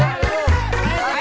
aduh aduh aduh